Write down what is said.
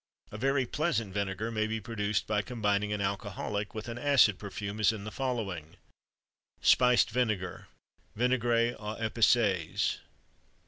A very pleasant vinegar may be produced by combining an alcoholic with an acid perfume, as in the following: SPICED VINEGAR (VINAIGRE AUX ÉPICES).